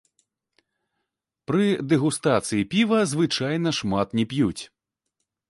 Пры дэгустацыі піва звычайна шмат не п'юць.